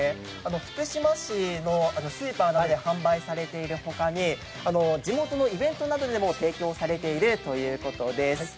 福島市のスーパーなどで販売されているほかに、地元のイベントなどでも提供されているということです。